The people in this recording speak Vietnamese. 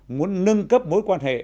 muốn nâng cấp mối quan hệ